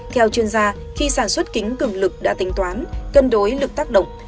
theo chuyên gia khi sản xuất kính cường lực đã tính toán cân đối lực tác động